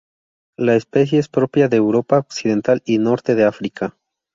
La especie es propia de Europa occidental y norte de África.